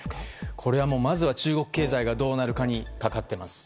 これはまずは中国経済がどうなるかにかかっています。